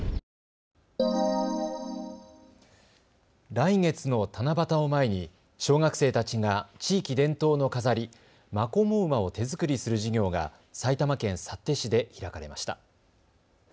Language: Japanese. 来月の七夕を前に小学生たちが地域伝統の飾り、まこも馬を手作りする授業が埼玉県幸手市で開かれました。